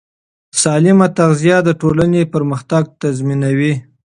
سالمه تغذیه د ټولنې پرمختګ تضمینوي.